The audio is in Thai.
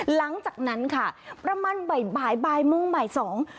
หลังจากนั้นค่ะประมาณบ่ายบ่ายบ่ายโมงบ่ายสอง